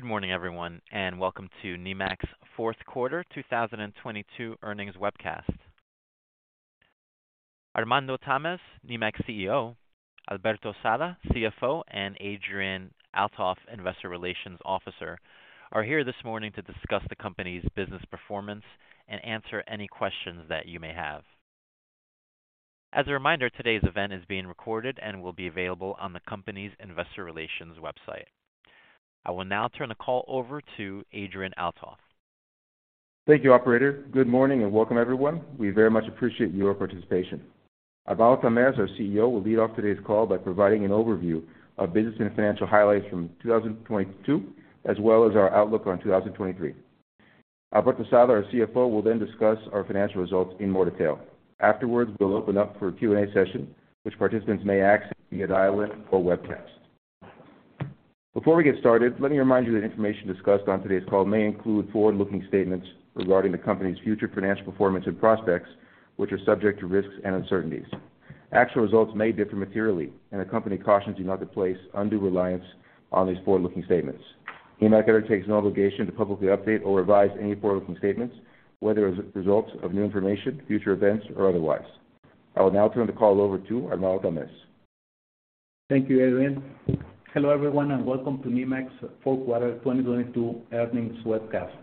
Good morning everyone. Welcome to Nemak's fourth quarter 2022 earnings webcast. Armando Tamez, Nemak's CEO, Alberto Sada, CFO, and Adrian Althoff, Investor Relations Officer, are here this morning to discuss the company's business performance and answer any questions that you may have. As a reminder, today's event is being recorded and will be available on the company's investor relations website. I will now turn the call over to Adrian Althoff. Thank you, operator. Good morning, and welcome everyone. We very much appreciate your participation. Armando Tamez, our CEO, will lead off today's call by providing an overview of business and financial highlights from 2022, as well as our outlook on 2023. Alberto Sada, our CFO, will then discuss our financial results in more detail. Afterwards, we'll open up for a Q&A session, which participants may access via dial-in or webcast. Before we get started, let me remind you that information discussed on today's call may include forward-looking statements regarding the company's future financial performance and prospects, which are subject to risks and uncertainties. Actual results may differ materially, and the company cautions you not to place undue reliance on these forward-looking statements. Nemak undertakes no obligation to publicly update or revise any forward-looking statements, whether as results of new information, future events, or otherwise. I will now turn the call over to Armando Tamez. Thank you, Adrian. Hello, everyone, and welcome to Nemak's fourth quarter 2022 earnings webcast.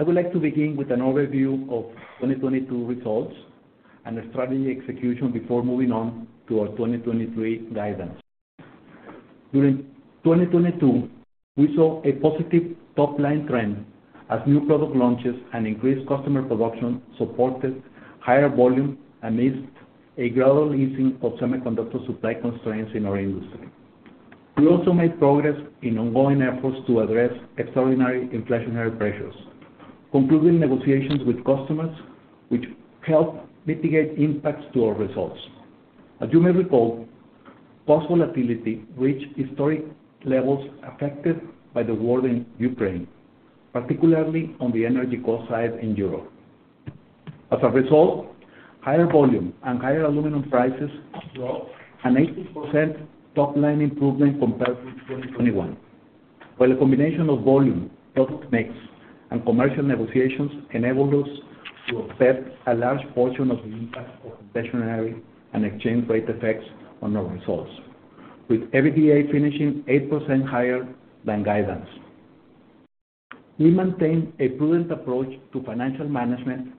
I would like to begin with an overview of 2022 results and our strategy execution before moving on to our 2023 guidance. During 2022, we saw a positive top-line trend as new product launches and increased customer production supported higher volume amidst a gradual easing of semiconductor supply constraints in our industry. We also made progress in ongoing efforts to address extraordinary inflationary pressures, concluding negotiations with customers which helped mitigate impacts to our results. As you may recall, cost volatility reached historic levels affected by the war in Ukraine, particularly on the energy cost side in Europe. As a result, higher volume and higher aluminum prices drove an 18% top-line improvement compared to 2021. While a combination of volume, product mix, and commercial negotiations enabled us to offset a large portion of the impact of inflationary and exchange rate effects on our results. With EBITDA finishing 8% higher than guidance. We maintain a prudent approach to financial management,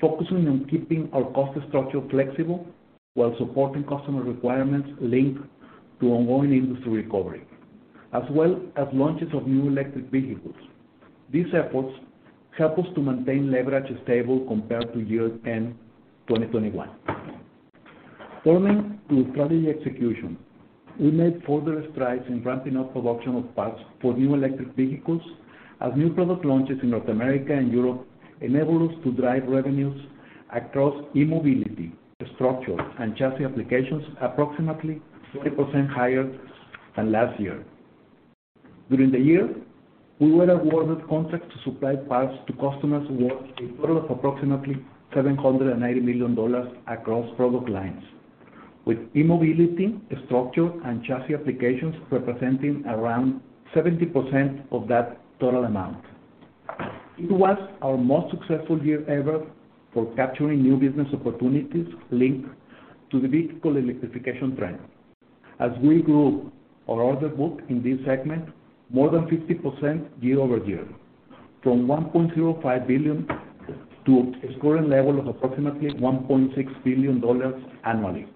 focusing on keeping our cost structure flexible while supporting customer requirements linked to ongoing industry recovery, as well as launches of new electric vehicles. These efforts help us to maintain leverage stable compared to year-end 2021. Turning to strategy execution, we made further strides in ramping up production of parts for new electric vehicles as new product launches in North America and Europe enable us to drive revenues across e-mobility, structure, and chassis applications approximately 20% higher than last year. During the year, we were awarded contracts to supply parts to customers worth a total of approximately $780 million across product lines, with e-mobility, structure and chassis applications representing around 70% of that total amount. It was our most successful year ever for capturing new business opportunities linked to the vehicle electrification trend as we grew our order book in this segment more than 50% year-over-year, from $1.05 billion to its current level of approximately $1.6 billion annually.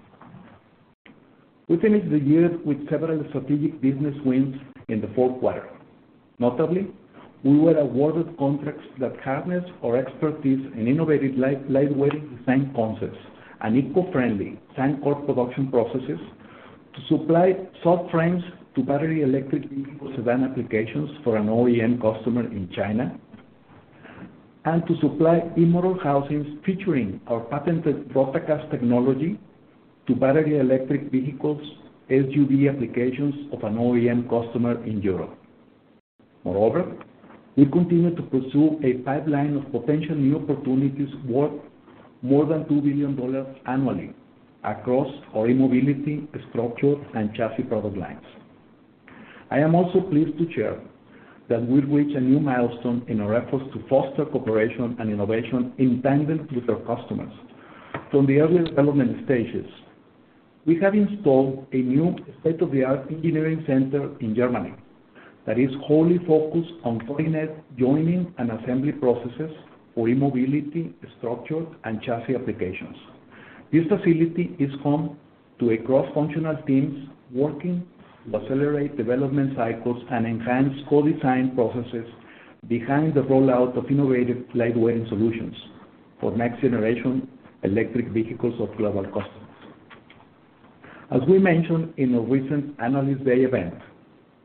We finished the year with several strategic business wins in the fourth quarter. Notably, we were awarded contracts that harness our expertise in innovative lightweight design concepts and eco-friendly sand core production processes to supply subframes to battery electric vehicles sedan applications for an OEM customer in China. To supply e-motor housings featuring our patented Rotocast technology to battery electric vehicles SUV applications of an OEM customer in Europe. Moreover, we continue to pursue a pipeline of potential new opportunities worth more than $2 billion annually across our e-mobility, structure, and chassis product lines. I am also pleased to share that we've reached a new milestone in our efforts to foster cooperation and innovation in tandem with our customers from the early development stages. We have installed a new state-of-the-art engineering center in Germany that is wholly focused on coordinate joining and assembly processes for e-mobility, structure, and chassis applications. This facility is home to a cross-functional teams working to accelerate development cycles and enhance co-design processes behind the rollout of innovative lightweighting solutions for next-generation electric vehicles of global customers. As we mentioned in a recent Analyst Day event,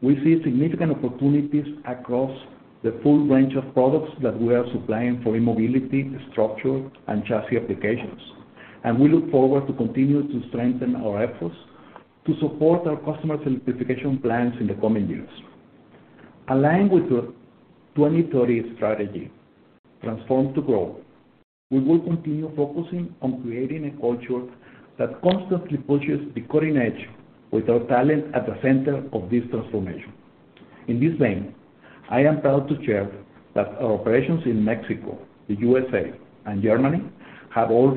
we see significant opportunities across the full range of products that we are supplying for e-mobility, structure and chassis applications, we look forward to continue to strengthen our efforts to support our customers' electrification plans in the coming years. Aligned with the 2030 strategy Transform to Grow. We will continue focusing on creating a culture that constantly pushes the cutting edge with our talent at the center of this transformation. In this vein, I am proud to share that our operations in Mexico, the USA, and Germany have all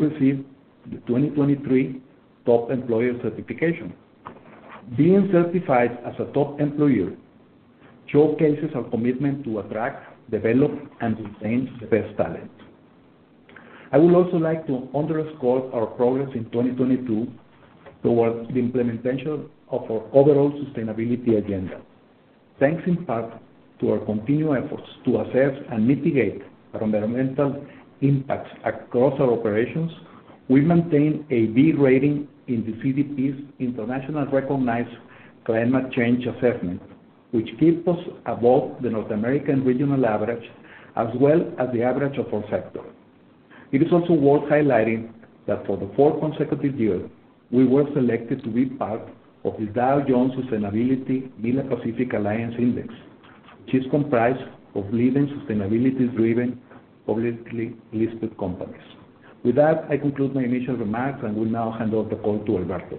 received the 2023 Top Employer certification. Being certified as a Top Employer showcases our commitment to attract, develop, and retain the best talent. I would also like to underscore our progress in 2022 towards the implementation of our overall sustainability agenda. Thanks in part to our continued efforts to assess and mitigate our environmental impacts across our operations, we maintain a B rating in the CDP's international recognized climate change assessment, which keeps us above the North American regional average, as well as the average of our sector. It is also worth highlighting that for the fourth consecutive year, we were selected to be part of the Dow Jones Sustainability MILA Pacific Alliance Index, which is comprised of leading sustainability-driven publicly listed companies. With that, I conclude my initial remarks and will now hand off the call to Alberto.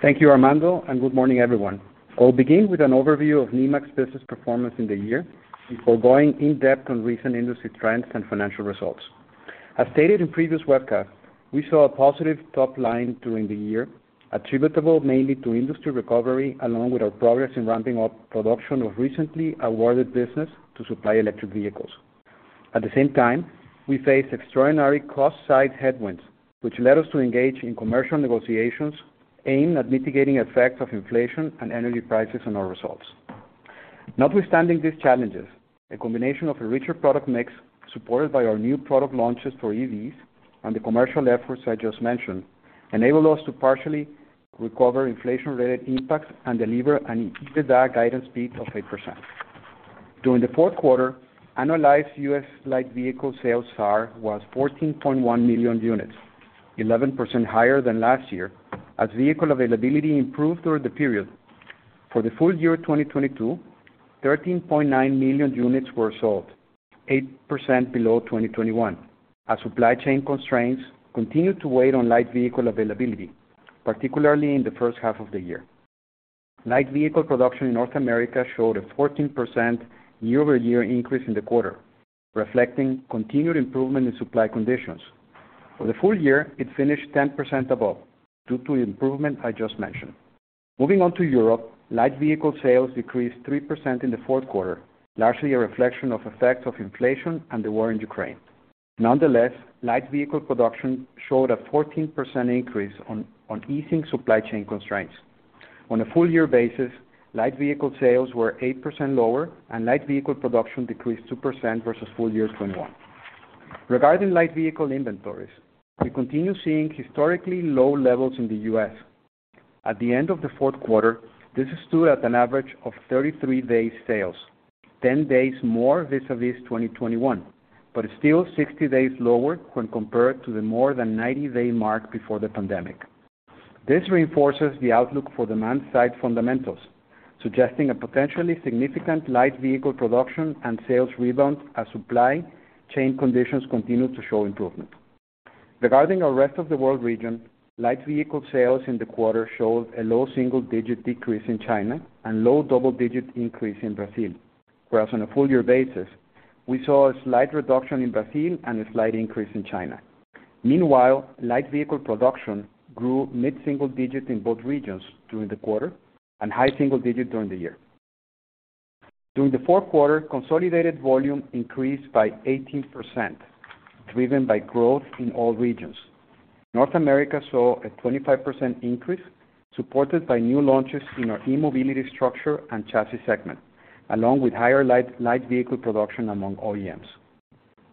Thank you, Armando, and good morning, everyone. I'll begin with an overview of Nemak's business performance in the year before going in-depth on recent industry trends and financial results. As stated in previous webcasts, we saw a positive top line during the year, attributable mainly to industry recovery, along with our progress in ramping up production of recently awarded business to supply electric vehicles. At the same time, we faced extraordinary cost side headwinds, which led us to engage in commercial negotiations aimed at mitigating effects of inflation and energy prices on our results. Notwithstanding these challenges, a combination of a richer product mix, supported by our new product launches for EVs and the commercial efforts I just mentioned, enabled us to partially recover inflation-related impacts and deliver an EBITDA guidance beat of 8%. During the fourth quarter, analyzed U.S. light vehicle sales SAAR was 14.1 million units, 11% higher than last year, as vehicle availability improved during the period. For the full year 2022, 13.9 million units were sold, 8% below 2021. Supply chain constraints continued to weigh on light vehicle availability, particularly in the first half of the year. Light vehicle production in North America showed a 14% year-over-year increase in the quarter, reflecting continued improvement in supply conditions. For the full year, it finished 10% above due to the improvement I just mentioned. Moving on to Europe, light vehicle sales decreased 3% in the fourth quarter, largely a reflection of effect of inflation and the war in Ukraine. Nonetheless, light vehicle production showed a 14% increase on easing supply chain constraints. On a full year basis, light vehicle sales were 8% lower. Light vehicle production decreased 2% versus full year 2021. Regarding light vehicle inventories, we continue seeing historically low levels in the US. At the end of the fourth quarter, this stood at an average of 33 days sales, 10 days more vis-a-vis 2021. It's still 60 days lower when compared to the more than 90-day mark before the pandemic. This reinforces the outlook for demand-side fundamentals, suggesting a potentially significant light vehicle production and sales rebound as supply chain conditions continue to show improvement. Regarding our rest of the world region, light vehicle sales in the quarter showed a low single-digit decrease in China and low double-digit increase in Brazil. On a full year basis, we saw a slight reduction in Brazil and a slight increase in China. Meanwhile, light vehicle production grew mid-single digit in both regions during the quarter and high-single digit during the year. During the fourth quarter, consolidated volume increased by 18%, driven by growth in all regions. North America saw a 25% increase, supported by new launches in our e-mobility, structure and chassis segment, along with higher light vehicle production among OEMs.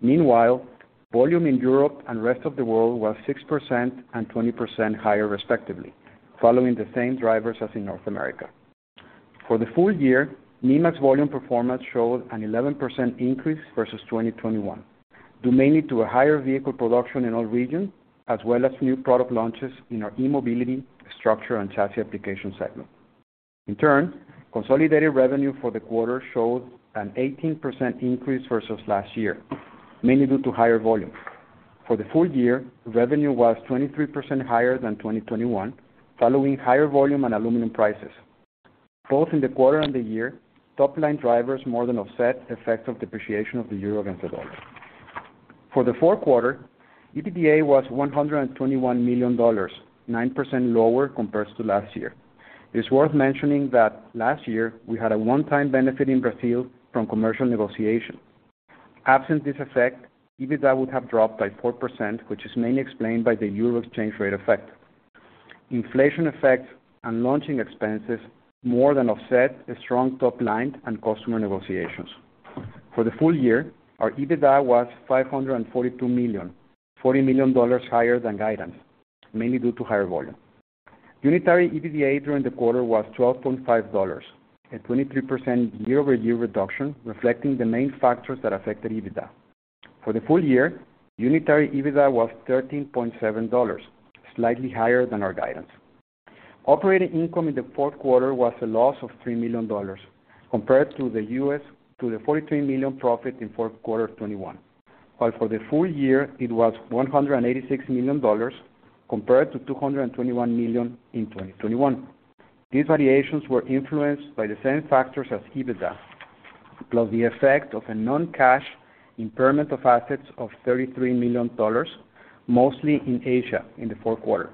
Meanwhile, volume in Europe and rest of the world was 6% and 20% higher, respectively, following the same drivers as in North America. For the full year, Nemak's volume performance showed an 11% increase versus 2021, due mainly to a higher vehicle production in all regions, as well as new product launches in our e-mobility, structure and chassis application segment. In turn, consolidated revenue for the quarter showed an 18% increase versus last year, mainly due to higher volumes. For the full year, revenue was 23% higher than 2021, following higher volume and aluminum prices. Both in the quarter and the year, top-line drivers more than offset effect of depreciation of the euro against the dollar. For the fourth quarter, EBITDA was $121 million, 9% lower compared to last year. It's worth mentioning that last year, we had a one-time benefit in Brazil from commercial negotiation. Absent this effect, EBITDA would have dropped by 4%, which is mainly explained by the euro exchange rate effect. Inflation effects and launching expenses more than offset a strong top line and customer negotiations. For the full year, our EBITDA was $542 million, $40 million higher than guidance, mainly due to higher volume. Unitary EBITDA during the quarter was $12.5, a 23% year-over-year reduction, reflecting the main factors that affected EBITDA. For the full year, unitary EBITDA was $13.7, slightly higher than our guidance. Operating income in the fourth quarter was a loss of $3 million compared to the $43 million profit in fourth quarter of 2021. For the full year, it was $186 million compared to $221 million in 2021. These variations were influenced by the same factors as EBITDA, plus the effect of a non-cash impairment of assets of $33 million, mostly in Asia in the fourth quarter.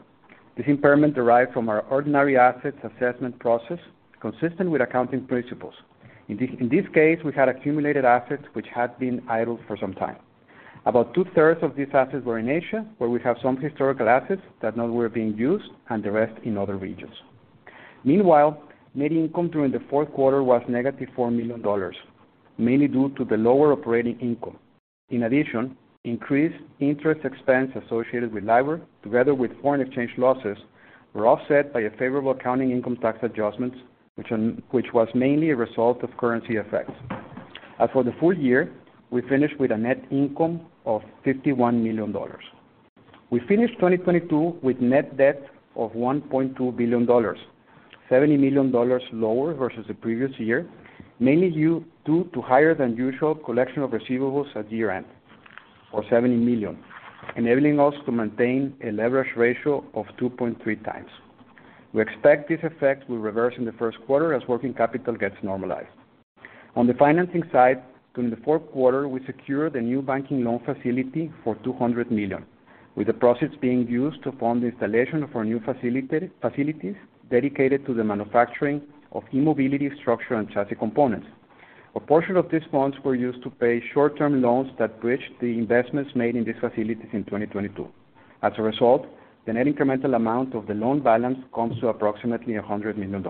This impairment derived from our ordinary assets assessment process, consistent with accounting principles. In this case, we had accumulated assets which had been idle for some time. About two-thirds of these assets were in Asia, where we have some historical assets that not were being used, and the rest in other regions. Meanwhile, net income during the fourth quarter was -$4 million, mainly due to the lower operating income. In addition, increased interest expense associated with labor, together with foreign exchange losses, were offset by a favorable accounting income tax adjustments, which was mainly a result of currency effects. As for the full year, we finished with a net income of $51 million. We finished 2022 with net debt of $1.2 billion, $70 million lower versus the previous year, mainly due to higher than usual collection of receivables at year-end of $70 million, enabling us to maintain a leverage ratio of 2.3 times. We expect this effect will reverse in the first quarter as working capital gets normalized. On the financing side, during the fourth quarter, we secured a new banking loan facility for $200 million, with the proceeds being used to fund the installation of our new facilities dedicated to the manufacturing of e-mobility, structure and chassis components. A portion of these funds were used to pay short-term loans that bridged the investments made in these facilities in 2022. As a result, the net incremental amount of the loan balance comes to approximately $100 million.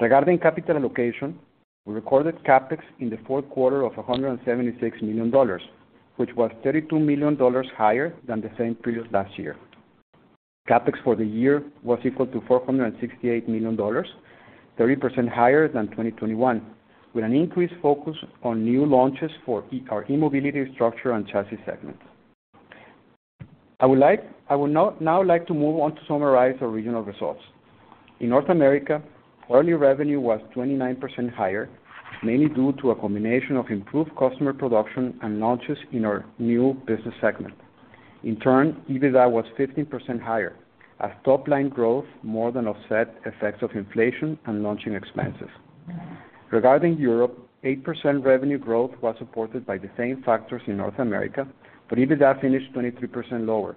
Regarding capital allocation, we recorded CapEx in the fourth quarter of $176 million, which was $32 million higher than the same period last year. CapEx for the year was equal to $468 million, 30% higher than 2021, with an increased focus on new launches for our e-mobility, structure and chassis segment. I would now like to move on to summarize our regional results. In North America, annual revenue was 29% higher, mainly due to a combination of improved customer production and launches in our new business segment. In turn, EBITDA was 15% higher as top-line growth more than offset effects of inflation and launching expenses. Regarding Europe, 8% revenue growth was supported by the same factors in North America, but EBITDA finished 23% lower,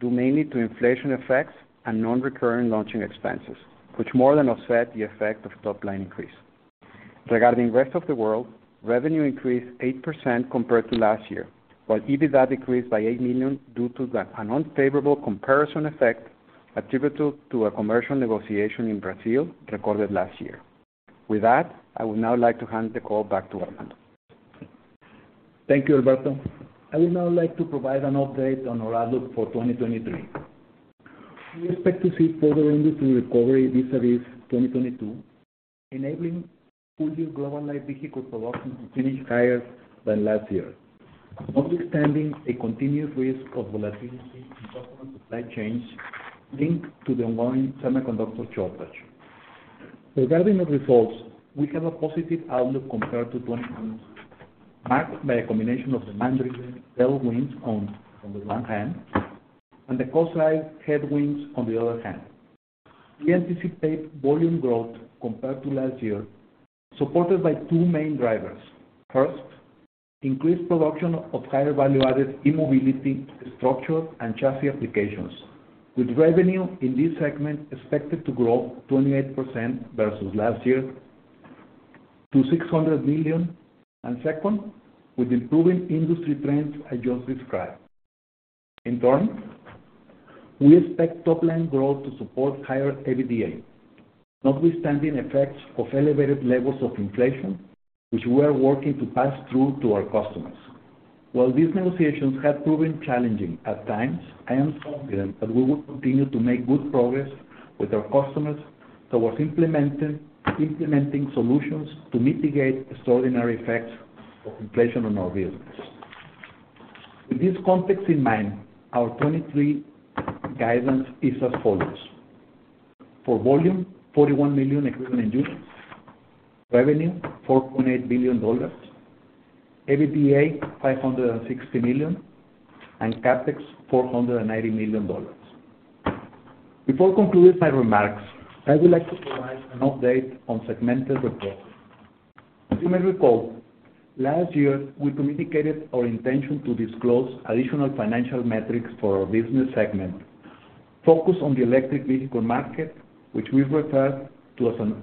due mainly to inflation effects and non-recurring launching expenses, which more than offset the effect of top-line increase. Regarding rest of the world, revenue increased 8% compared to last year, while EBITDA decreased by $8 million due to an unfavorable comparison effect attributable to a commercial negotiation in Brazil recorded last year. With that, I would now like to hand the call back to Armando. Thank you, Alberto. I would now like to provide an update on our outlook for 2023. We expect to see further industry recovery vis-a-vis 2022, enabling full-year global light vehicle production to finish higher than last year, notwithstanding a continued risk of volatility in government supply chains linked to the ongoing semiconductor shortage. Regarding the results, we have a positive outlook compared to 2022, marked by a combination of demand-driven tailwinds on the one hand and the cost-side headwinds on the other hand. We anticipate volume growth compared to last year, supported by two main drivers. First, increased production of higher value-added e-mobility, structure and chassis applications, with revenue in this segment expected to grow 28% versus last year to $600 million. Second, with improving industry trends I just described. In turn, we expect top-line growth to support higher EBITDA, notwithstanding effects of elevated levels of inflation, which we are working to pass through to our customers. While these negotiations have proven challenging at times, I am confident that we will continue to make good progress with our customers towards implementing solutions to mitigate extraordinary effects of inflation on our business. With this context in mind, our 2023 guidance is as follows. For volume, 41 million equivalent units. Revenue, $4.8 billion. EBITDA, $560 million. CapEx, $480 million. Before concluding my remarks, I would like to provide an update on segmented reports. As you may recall, last year, we communicated our intention to disclose additional financial metrics for our business segment, focused on the electric vehicle market, which we refer to as an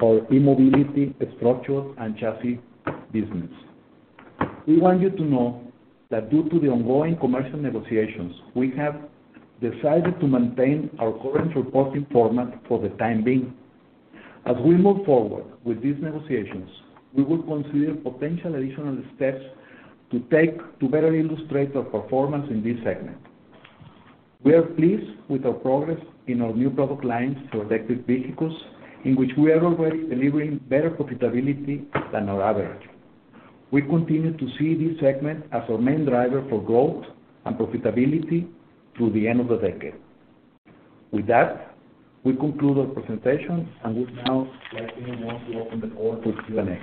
our e-mobility structure and chassis business. We want you to know that due to the ongoing commercial negotiations, we have decided to maintain our current reporting format for the time being. As we move forward with these negotiations, we will consider potential additional steps to take to better illustrate our performance in this segment. We are pleased with our progress in our new product lines for electric vehicles, in which we are already delivering better profitability than our average. We continue to see this segment as our main driver for growth and profitability through the end of the decade. With that, we conclude our presentation, and we'd now like anyone to open the floor for Q&A.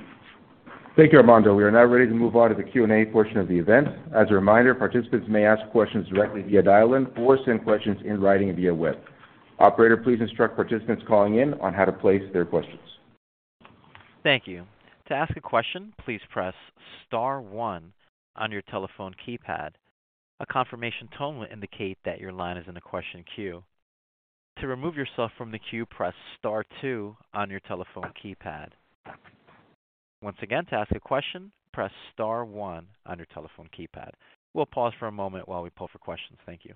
Thank you, Armando. We are now ready to move on to the Q&A portion of the event. As a reminder, participants may ask questions directly via dial-in or send questions in writing via web. Operator, please instruct participants calling in on how to place their questions. Thank you. To ask a question, please press star one on your telephone keypad. A confirmation tone will indicate that your line is in the question queue. To remove yourself from the queue, press star two on your telephone keypad. Once again, to ask a question, press star one on your telephone keypad. We'll pause for a moment while we pull for questions. Thank you.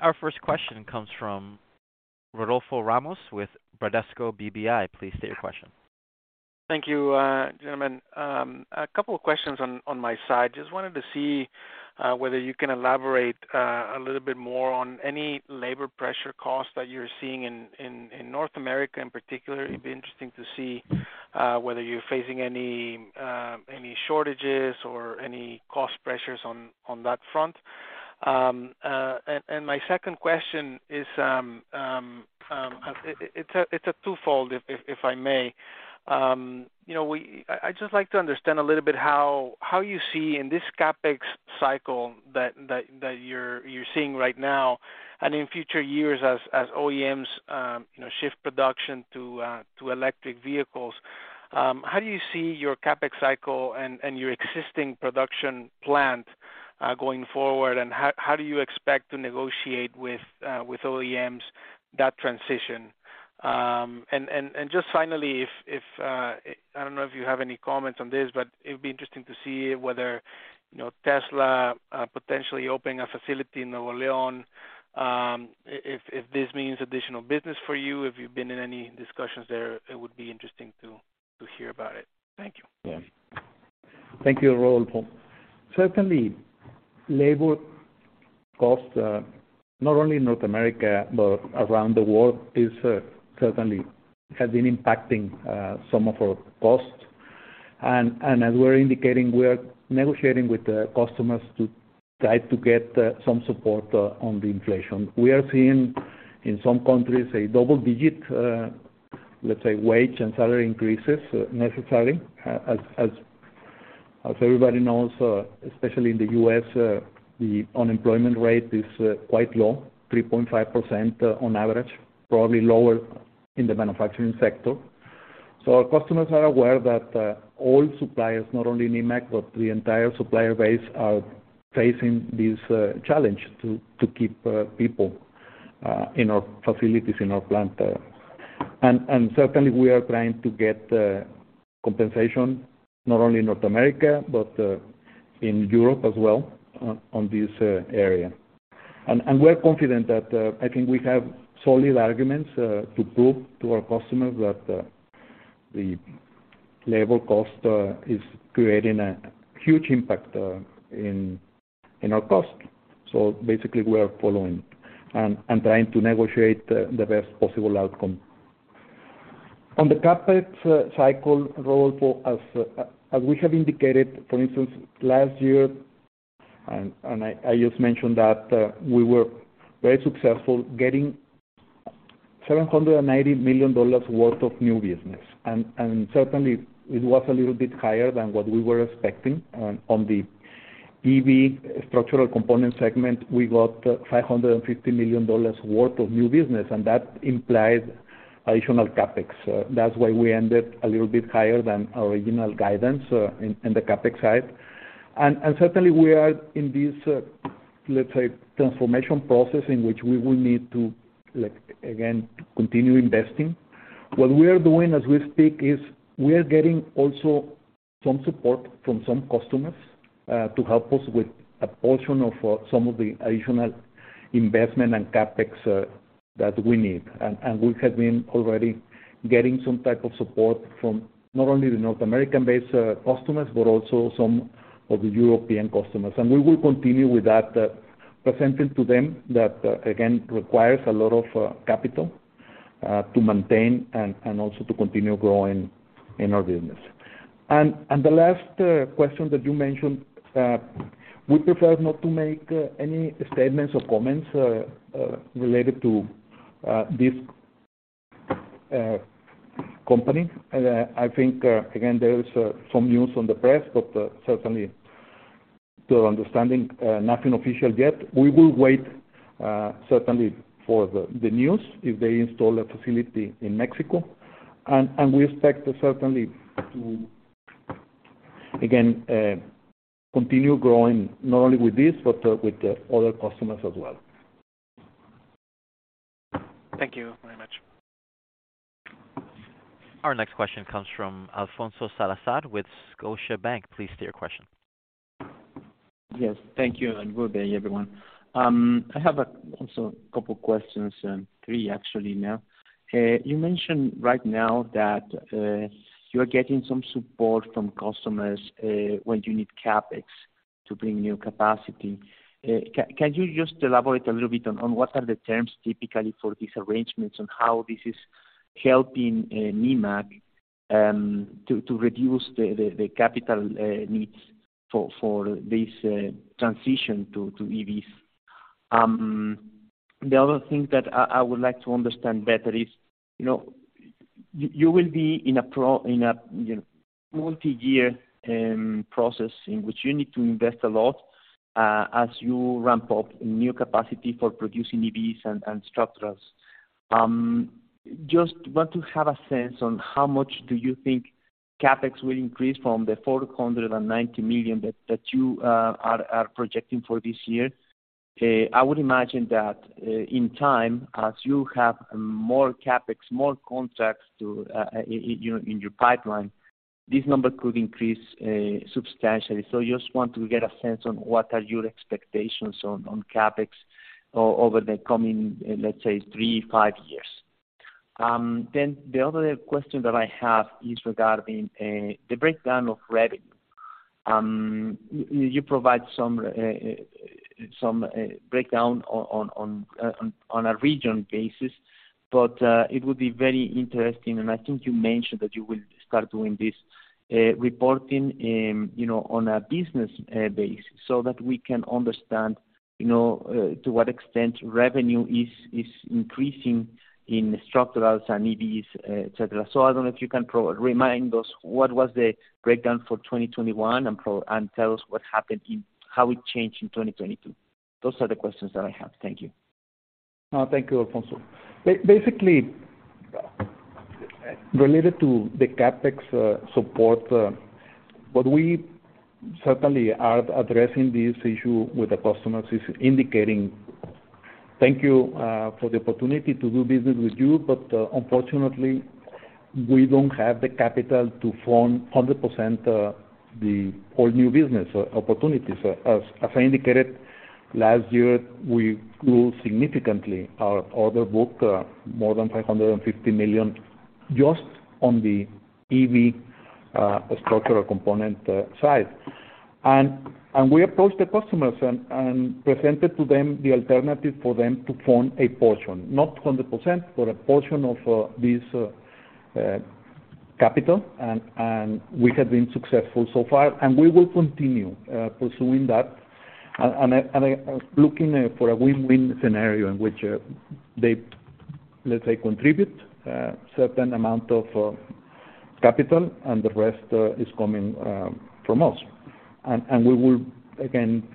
Our first question comes from Rodolfo Ramos with Bradesco BBI. Please state your question. Thank you, gentlemen. A couple of questions on my side. Just wanted to see whether you can elaborate a little bit more on any labor pressure costs that you're seeing in North America in particular. It'd be interesting to see whether you're facing any shortages or any cost pressures on that front. My second question is it's a twofold if I may. You know, I'd just like to understand a little bit how you see in this CapEx cycle that you're seeing right now, and in future years as OEMs, you know, shift production to electric vehicles, how do you see your CapEx cycle and your existing production plant going forward, and how do you expect to negotiate with OEMs that transition? Just finally, if I don't know if you have any comments on this, but it'd be interesting to see whether, you know, Tesla potentially opening a facility in Nuevo Leon, if this means additional business for you, if you've been in any discussions there, it would be interesting to hear about it. Thank you. Yeah. Thank you, Rodolfo. Certainly, labor costs, not only in North America, but around the world, is certainly has been impacting some of our costs. As we're indicating, we are negotiating with the customers to try to get some support on the inflation. We are seeing in some countries a double digit, let's say, wage and salary increases necessary. As everybody knows, especially in the U.S., the unemployment rate is quite low, 3.5% on average, probably lower in the manufacturing sector. Our customers are aware that all suppliers, not only Nemak, but the entire supplier base, are facing this challenge to keep people in our facilities, in our plant. Certainly we are trying to get compensation not only in North America, but in Europe as well on this area. We're confident that I think we have solid arguments to prove to our customers that the labor cost is creating a huge impact in our cost. Basically, we are following and trying to negotiate the best possible outcome. On the CapEx cycle role for us, as we have indicated, for instance, last year, I just mentioned that we were very successful getting $790 million worth of new business. Certainly it was a little bit higher than what we were expecting. On the EV structural component segment, we got $550 million worth of new business. That implied additional CapEx. That's why we ended a little bit higher than original guidance in the CapEx side. Certainly we are in this, let's say, transformation process in which we will need to, like, again, continue investing. What we are doing as we speak is we are getting also some support from some customers to help us with a portion of some of the additional investment and CapEx that we need. We have been already getting some type of support from not only the North American-based customers, but also some of the European customers. We will continue with that, presenting to them that, again, requires a lot of capital to maintain and also to continue growing in our business. The last question that you mentioned, we prefer not to make any statements or comments related to this company. I think, again, there is some news on the press, but certainly to our understanding, nothing official yet. We will wait certainly for the news if they install a facility in Mexico. We expect certainly to again, continue growing not only with this, but with the other customers as well. Thank you very much. Our next question comes from Alfonso Salazar with Scotiabank. Please state your question. Yes. Thank you. Good day everyone. I have a also a couple of questions, three actually now. You mentioned right now that, you're getting some support from customers, when you need CapEx. To bring new capacity. Can you just elaborate a little bit on what are the terms typically for these arrangements and how this is helping Nemak to reduce the capital needs for this transition to EVs? The other thing that I would like to understand better is, you know, you will be in a, you know, multiyear process in which you need to invest a lot as you ramp up new capacity for producing EVs and structures. Just want to have a sense on how much do you think CapEx will increase from the $490 million that you are projecting for this year? I would imagine that in time, as you have more CapEx, more contracts to in your pipeline, this number could increase substantially. Just want to get a sense on what are your expectations on CapEx over the coming, let's say three, five years. The other question that I have is regarding the breakdown of revenue. You provide some breakdown on a region basis, but it would be very interesting, and I think you mentioned that you will start doing this reporting, you know, on a business basis, so that we can understand, you know, to what extent revenue is increasing in structural and EVs, et cetera. I don't know if you can remind us what was the breakdown for 2021, and tell us what happened how it changed in 2022. Those are the questions that I have. Thank you. Thank you, Alfonso. Basically, related to the CapEx support, what we certainly are addressing this issue with the customers is indicating thank you for the opportunity to do business with you, but unfortunately, we don't have the capital to fund 100% the a ll new business opportunities. As I indicated, last year, we grew significantly our order book, more than $550 million just on the EV structural component side. We approached the customers and presented to them the alternative for them to fund a portion, not 100%, but a portion of this capital. We have been successful so far, and we will continue pursuing that. Looking for a win-win scenario in which they, let's say, contribute a certain amount of capital and the rest is coming from us. We will again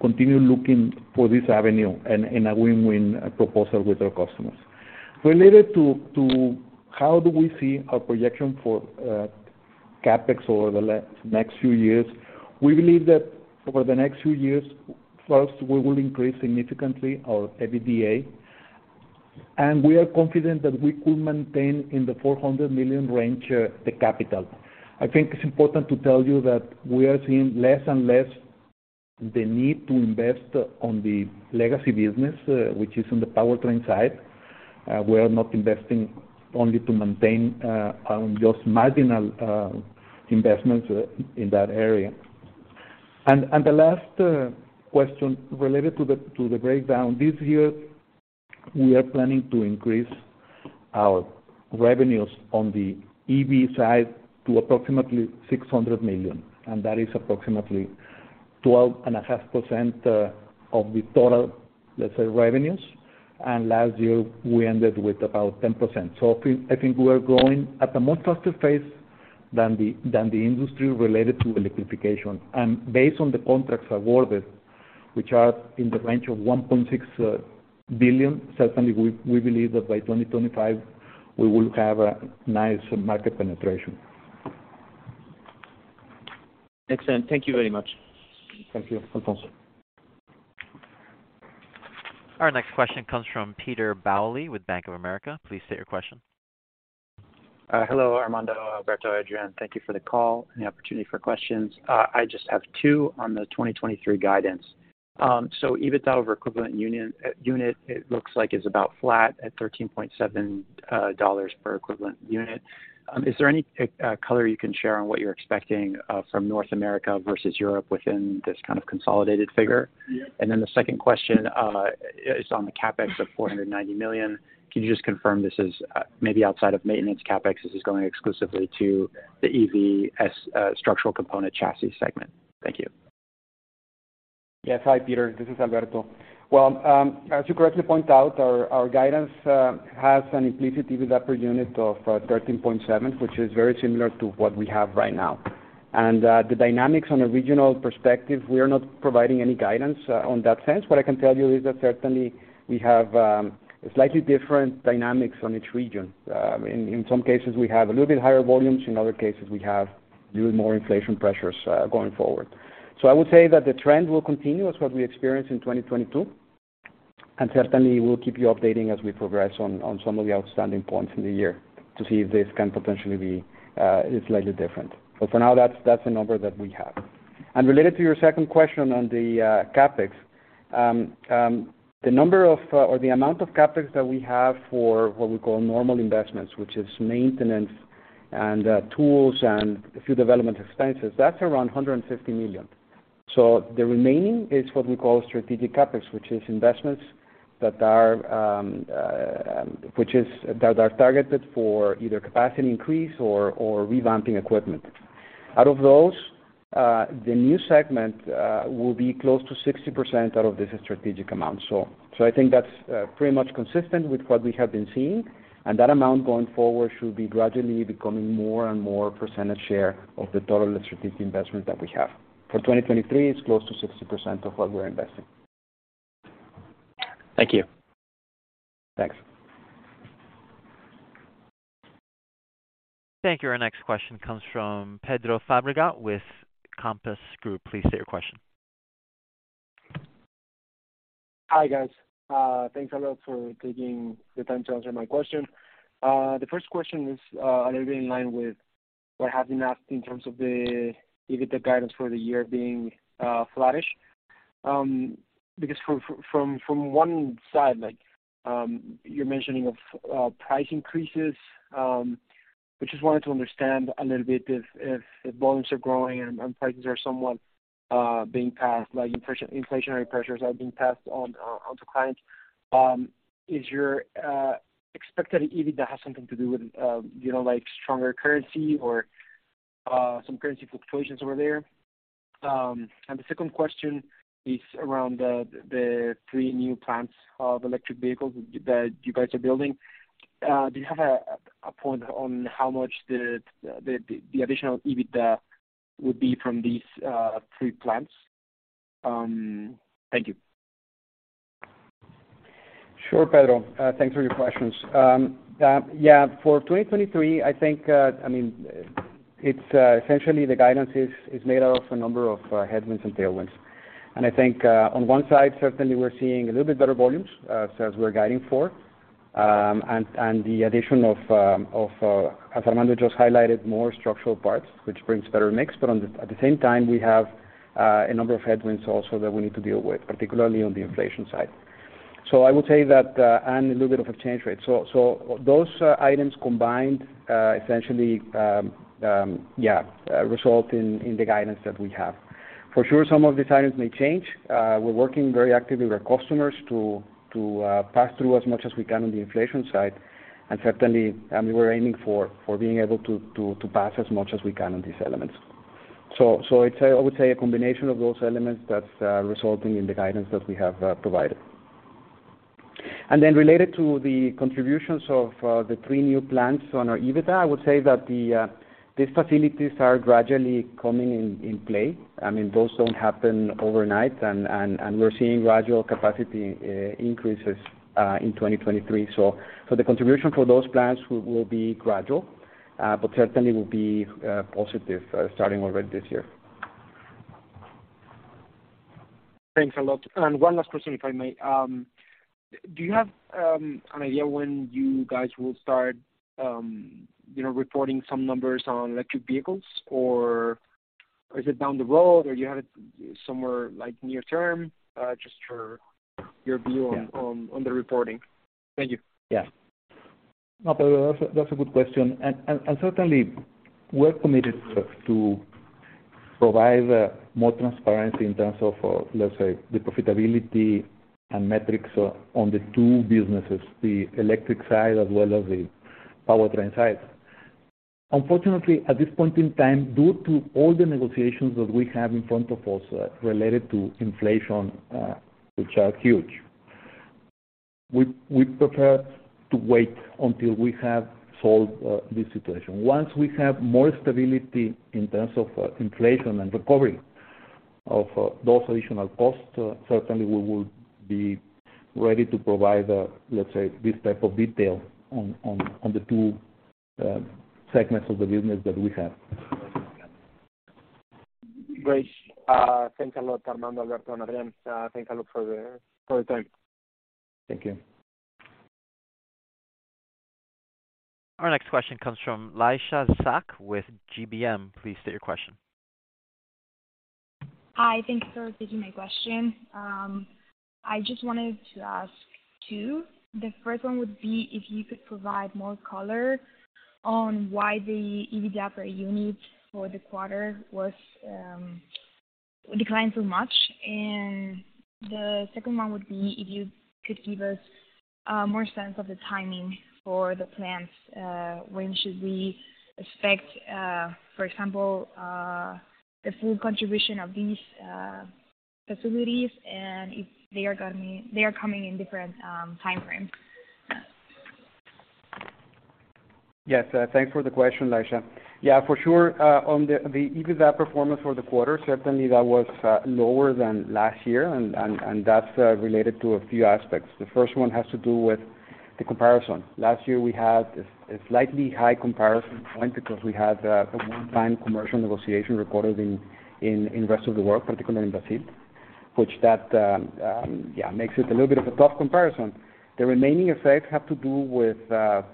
continue looking for this avenue in a win-win proposal with our customers. Related to how do we see our projection for CapEx over the next few years, we believe that over the next few years, first, we will increase significantly our EBITDA, and we are confident that we could maintain in the $400 million range the capital. I think it's important to tell you that we are seeing less and less the need to invest on the legacy business, which is on the powertrain side. We are not investing only to maintain just marginal investments in that area. The last question related to the breakdown. This year, we are planning to increase our revenues on the EV side to approximately $600 million, and that is approximately 12.5% of the total, let's say, revenues. Last year, we ended with about 10%. I think we are growing at a much faster pace than the industry related to electrification. Based on the contracts awarded, which are in the range of $1.6 billion, certainly we believe that by 2025 we will have a nice market penetration. Excellent. Thank you very much. Thank you, Alfonso. Our next question comes from Peter Bowley with Bank of America. Please state your question. Hello, Armando, Alberto, Adrian. Thank you for the call and the opportunity for questions. I just have two on the 2023 guidance. So EBITDA over equivalent unit, it looks like is about flat at $13.7 per equivalent unit. Is there any color you can share on what you're expecting from North America versus Europe within this kind of consolidated figure? The second question is on the CapEx of $490 million. Can you just confirm this is, maybe outside of maintenance CapEx, this is going exclusively to the EV S, structural component chassis segment? Thank you. Yes. Hi, Peter. This is Alberto. Well, as you correctly point out, our guidance has an implicit EV per unit of 13.7, which is very similar to what we have right now. The dynamics on a regional perspective, we are not providing any guidance on that sense. What I can tell you is that certainly we have slightly different dynamics on each region. In, in some cases, we have a little bit higher volumes, in other cases, we have a little more inflation pressures going forward. I would say that the trend will continue as what we experienced in 2022, certainly we'll keep you updating as we progress on some of the outstanding points in the year to see if this can potentially be slightly different. For now, that's the number that we have. Related to your second question on the CapEx, the number of, or the amount of CapEx that we have for what we call normal investments, which is maintenance Tools and a few development expenses, that's around $150 million. The remaining is what we call strategic CapEx, which is investments that are targeted for either capacity increase or revamping equipment. Out of those, the new segment will be close to 60% out of this strategic amount. I think that's pretty much consistent with what we have been seeing, and that amount going forward should be gradually becoming more and more percentage share of the total strategic investment that we have. For 2023, it's close to 60% of what we're investing. Thank you. Thanks. Thank you. Our next question comes from Pedro Fabregat with Compass Group. Please state your question. Hi, guys. Thanks a lot for taking the time to answer my question. The first question is a little bit in line with what has been asked in terms of the EBITDA guidance for the year being flattish. Because from one side, like, you're mentioning of price increases, I just wanted to understand a little bit if volumes are growing and prices are somewhat being passed, like inflationary pressures are being passed on to clients, is your expected EBITDA has something to do with, you know, like stronger currency or some currency fluctuations over there? The second question is around the three new plants of electric vehicles that you guys are building. Do you have a point on how much the additional EBITDA would be from these three plants? Thank you. Sure, Pedro. Thanks for your questions. Yeah, for 2023, I think, I mean, it's essentially the guidance is made out of a number of headwinds and tailwinds. I think, on one side, certainly we're seeing a little bit better volumes, so as we're guiding for, and the addition of, as Armando just highlighted, more structural parts, which brings better mix. At the same time, we have a number of headwinds also that we need to deal with, particularly on the inflation side. I will tell you that, and a little bit of a change rate. Those items combined, essentially, yeah, result in the guidance that we have. For sure, some of these items may change. We're working very actively with our customers to pass through as much as we can on the inflation side. Certainly, I mean, we're aiming for being able to pass as much as we can on these elements. It's a combination of those elements that's resulting in the guidance that we have provided. Related to the contributions of the three new plants on our EBITDA, I would say that these facilities are gradually coming in play. I mean, those don't happen overnight and we're seeing gradual capacity increases in 2023. The contribution for those plants will be gradual, but certainly will be positive starting already this year. Thanks a lot. One last question, if I may. Do you have an idea when you guys will start, you know, reporting some numbers on electric vehicles? Is it down the road, or you have it somewhere like near term? Just your view. Yeah. on the reporting. Thank you. No, Pedro, that's a good question. Certainly we're committed to provide more transparency in terms of, let's say, the profitability and metrics on the two businesses, the electric side as well as the powertrain side. Unfortunately, at this point in time, due to all the negotiations that we have in front of us related to inflation, which are huge, we prefer to wait until we have solved this situation. Once we have more stability in terms of inflation and recovery of those additional costs, certainly we will be ready to provide, let's say, this type of detail on the two segments of the business that we have. Great. Thanks a lot, Armando, Alberto, and Adrian. Thanks a lot for the time. Thank you. Our next question comes from Laisha Zaack with GBM. Please state your question. Hi. Thanks for taking my question. I just wanted to ask two. The first one would be if you could provide more color on why the EBITDA per unit for the quarter was declined so much. The second one would be if you could give us more sense of the timing for the plans. When should we expect, for example, the full contribution of these facilities and if they are coming in different time frames? Thanks for the question, Laisha. For sure, on the EBITDA performance for the quarter, certainly that was lower than last year, and that's related to a few aspects. The first one has to do with the comparison. Last year, we had a slightly high comparison point because we had a one-time commercial negotiation recorded in rest of the world, particularly in Brazil, which that makes it a little bit of a tough comparison. The remaining effects have to do with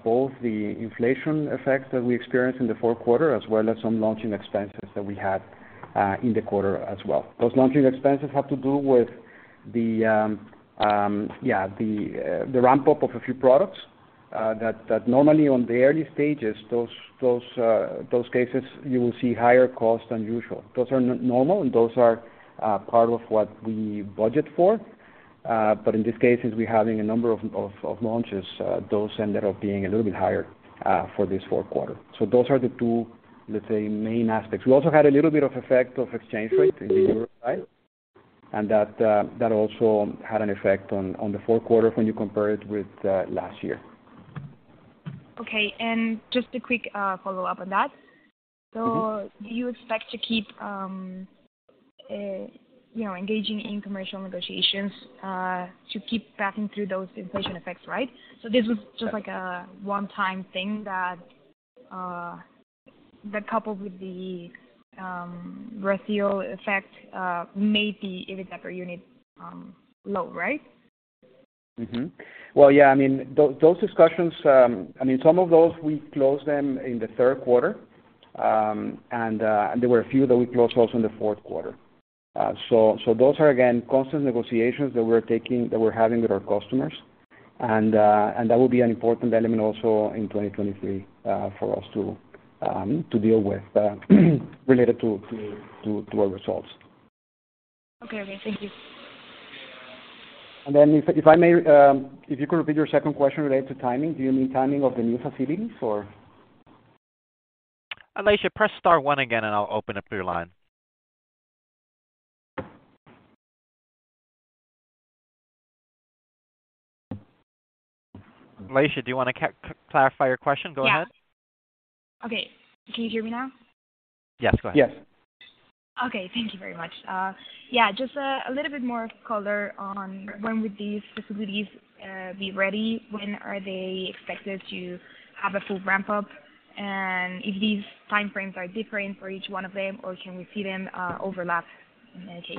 both the inflation effects that we experienced in the fourth quarter, as well as some launching expenses that we had in the quarter as well. Those launching expenses have to do with the ramp-up of a few products that normally on the early stages, those cases you will see higher cost than usual. Those are normal, and those are part of what we budget for. In this case, since we're having a number of launches, those ended up being a little bit higher for this fourth quarter. Those are the two, let's say, main aspects. We also had a little bit of effect of exchange rate in the Euro side. That also had an effect on the fourth quarter when you compare it with last year. Okay. Just a quick follow-up on that. Mm-hmm. Do you expect to keep, you know, engaging in commercial negotiations, to keep passing through those inflation effects, right? This was just like a one-time thing that coupled with the ratio effect, may be EBITDA per unit, low, right? Well, yeah, I mean, those discussions, I mean, some of those, we closed them in the third quarter. There were a few that we closed also in the fourth quarter. Those are again, constant negotiations that we're having with our customers, and that will be an important element also in 2023, for us to deal with, related to our results. Okay, great. Thank you. If I may, if you could repeat your second question related to timing. Do you mean timing of the new facilities or? Laisha, press star one again, and I'll open up your line. Laisha, do you wanna clarify your question? Go ahead. Yeah. Okay, can you hear me now? Yes, go ahead. Yes. Okay, thank you very much. Yeah, just a little bit more color on when would these facilities be ready? When are they expected to have a full ramp-up? If these time frames are different for each one of them, or can we see them overlap in any case?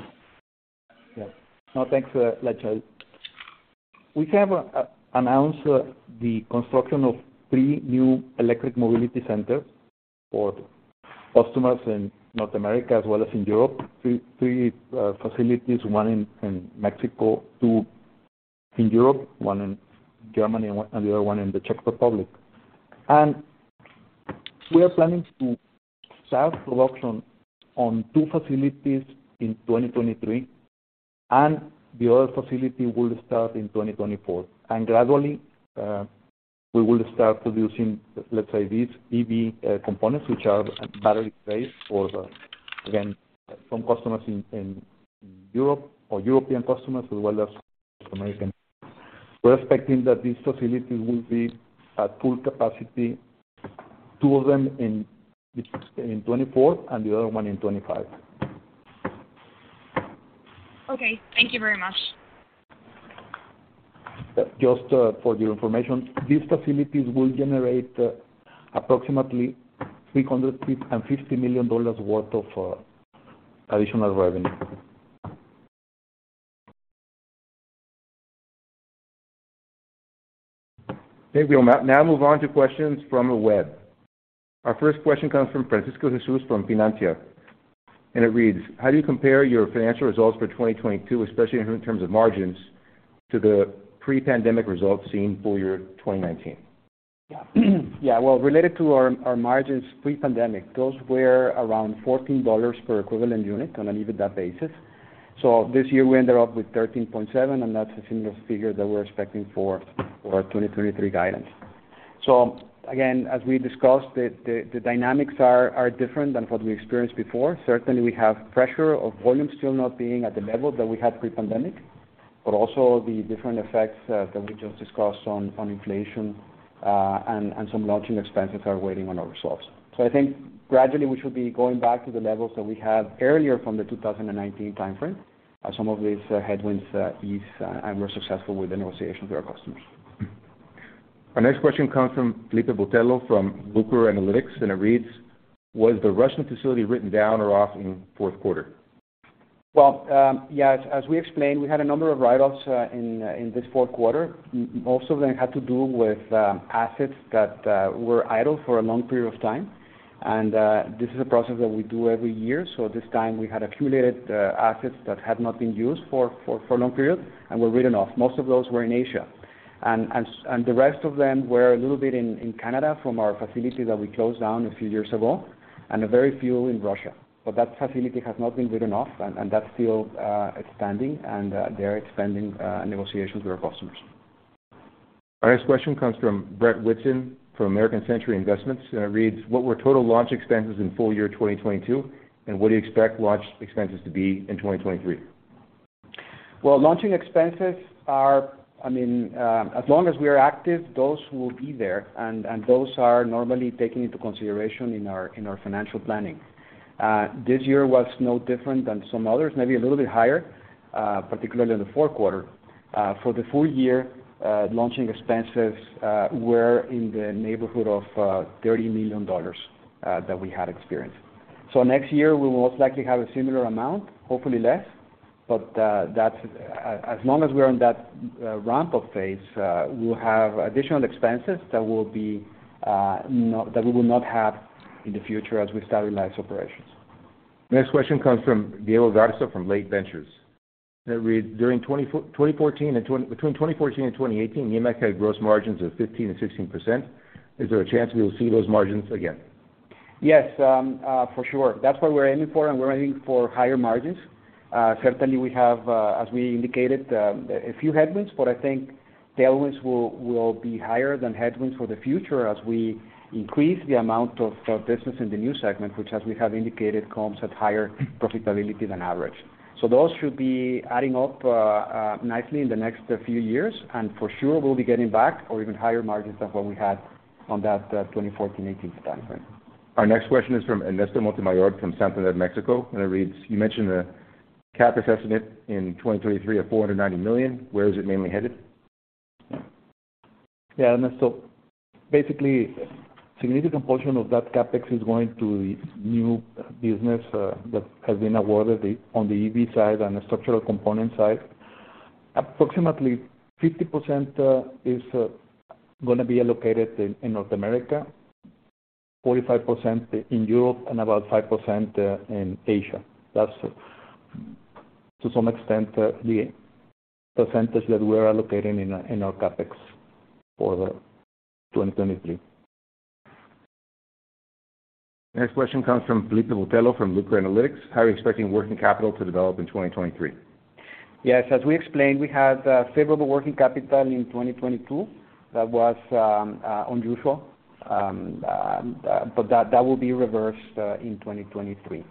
Yeah. No, thanks, Laisha. We have announced the construction of three new electric mobility centers for customers in North America as well as in Europe. Three facilities, one in Mexico, two in Europe, one in Germany, and the other one in the Czech Republic. We are planning to start production on two facilities in 2023, the other facility will start in 2024. Gradually, we will start producing, let's say these EV components, which are battery-based for the, again, some customers in Europe or European customers as well as North American. We're expecting that these facilities will be at full capacity, two of them in 2024 and the other one in 2025. Okay. Thank you very much. Just, for your information, these facilities will generate approximately $350 million worth of, additional revenue. Okay. We'll now move on to questions from the web. Our first question comes from Francisco Jesus from Finantia. It reads: How do you compare your financial results for 2022, especially in terms of margins, to the pre-pandemic results seen full year 2019? Yeah. Well, related to our margins pre-pandemic, those were around $14 per equivalent unit on an EBITDA basis. This year we ended up with 13.7, and that's a similar figure that we're expecting for our 2023 guidance. Again, as we discussed, the dynamics are different than what we experienced before. Certainly, we have pressure of volume still not being at the level that we had pre-pandemic, but also the different effects that we just discussed on inflation and some launching expenses are weighing on our results. I think gradually we should be going back to the levels that we had earlier from the 2019 timeframe as some of these headwinds ease, and we're successful with the negotiations with our customers. Our next question comes from Felipe Botello from Booker Analytics. It reads: Was the Russian facility written down or off in fourth quarter? Well, yes. As we explained, we had a number of write-offs in this fourth quarter. Most of them had to do with assets that were idle for a long period of time. This is a process that we do every year, so this time we had accumulated assets that had not been used for a long period and were written off. Most of those were in Asia. The rest of them were a little bit in Canada from our facility that we closed down a few years ago, and a very few in Russia. That facility has not been written off, and that's still expanding, and they're expanding negotiations with our customers. Our next question comes from Bert Whitson from American Century Investments, and it reads: What were total launch expenses in full year 2022? What do you expect launch expenses to be in 2023? Well, launching expenses are. I mean, as long as we are active, those will be there, and those are normally taken into consideration in our financial planning. This year was no different than some others, maybe a little bit higher, particularly in the fourth quarter. For the full year, launching expenses were in the neighborhood of $30 million that we had experienced. Next year we will most likely have a similar amount, hopefully less, but that's as long as we're in that ramp-up phase, we'll have additional expenses that will be that we will not have in the future as we start to launch operations. Next question comes from Diego Garza from Lake Ventures that read, "During 2014 and between 2014 and 2018, Nemak had gross margins of 15% and 16%. Is there a chance we will see those margins again? Yes, for sure. That's what we're aiming for, and we're aiming for higher margins. Certainly, we have, as we indicated, a few headwinds, but I think tailwinds will be higher than headwinds for the future as we increase the amount of business in the new segment, which as we have indicated, comes at higher profitability than average. Those should be adding up nicely in the next few years. For sure, we'll be getting back or even higher margins than what we had on that 2014-2018 time frame. Our next question is from Ernesto Montemayor from Santander Mexico. It reads, "You mentioned a CapEx estimate in 2023 of $490 million. Where is it mainly headed? Yeah, Ernesto. Basically, significant portion of that CapEx is going to the new business that has been awarded the, on the EV side and the structural component side. Approximately 50% is gonna be allocated in North America, 45% in Europe, and about 5% in Asia. That's to some extent the percentage that we're allocating in our CapEx for 2023. Next question comes from Felipe Botello from Lucror Analytics. "How are you expecting working capital to develop in 2023? As we explained, we had favorable working capital in 2022. That was unusual. That will be reversed in 2023.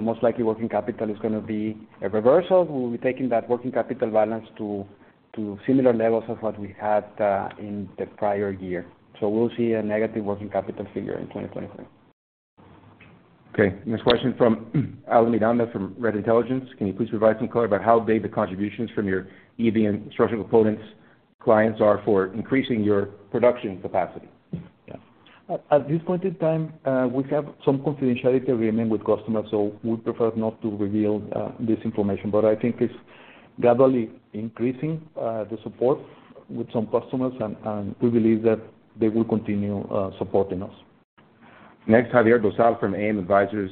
Most likely, working capital is gonna be a reversal. We'll be taking that working capital balance to similar levels of what we had in the prior year. We'll see a negative working capital figure in 2023. Okay. Next question from Alan Miranda from REDD Intelligence. "Can you please provide some color about how big the contributions from your EV and structural components clients are for increasing your production capacity?" Yeah. At this point in time, we have some confidentiality agreement with customers, so we prefer not to reveal this information. I think it's gradually increasing the support with some customers and we believe that they will continue supporting us. Next, Javier Dosal from AM Advisors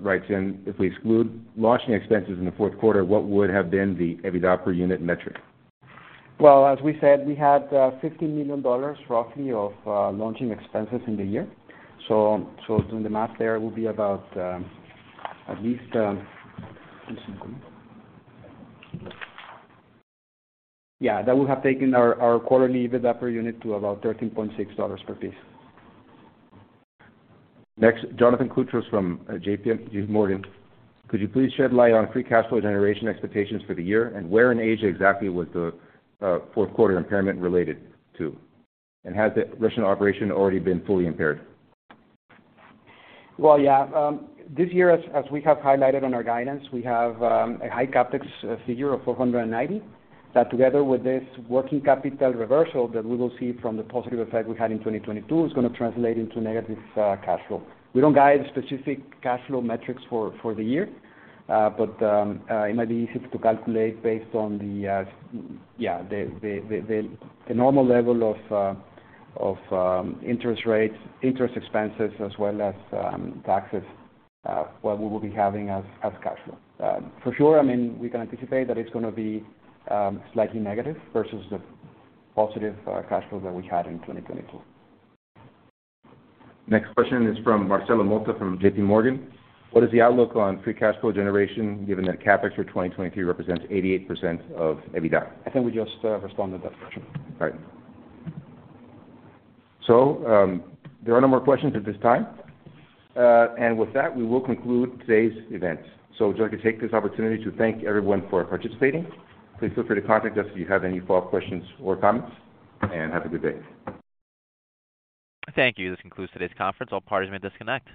writes in, "If we exclude launching expenses in the fourth quarter, what would have been the EBITDA per unit metric? As we said, we had $15 million roughly of launching expenses in the year. Doing the math there, it would be about, at least... One second. That would have taken our quarterly EBITDA per unit to about $13.6 per piece. Next, Jonathan Koutras from J.P. Morgan. "Could you please shed light on free cash flow generation expectations for the year? Where in Asia exactly was the fourth quarter impairment related to? Has the Russian operation already been fully impaired? Well, yeah. This year, as we have highlighted on our guidance, we have a high CapEx figure of $490. That together with this working capital reversal that we will see from the positive effect we had in 2022, is gonna translate into negative cash flow. We don't guide specific cash flow metrics for the year. It might be easy to calculate based on the yeah, the normal level of interest rates, interest expenses, as well as taxes, what we will be having as cash flow. For sure, I mean, we can anticipate that it's gonna be slightly negative versus the positive cash flow that we had in 2022. Next question is from Marcelo Motta from J.P. Morgan. "What is the outlook on free cash flow generation given that CapEx for 2023 represents 88% of EBITDA? I think we just responded to that question. All right. There are no more questions at this time. With that, we will conclude today's event. I'd like to take this opportunity to thank everyone for participating. Please feel free to contact us if you have any follow-up questions or comments, and have a good day. Thank you. This concludes today's conference. All parties may disconnect.